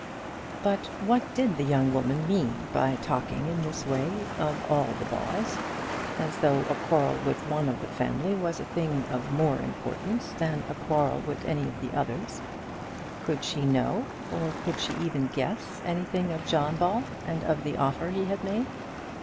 But what did the woman mean by talking in this way of all the Balls, as though a quarrel with one of the family was a thing of more importance than a quarrel with any of the others? Could she know, or could she even guess, anything of John Ball and of the offer he had made?